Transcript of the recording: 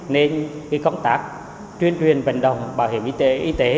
nên công tác chuyên truyền vận động bảo hiểm y tế y tế